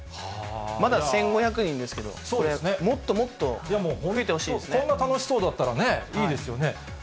まだ１５００人ですけど、こんな楽しそうだったらね、いいですよね。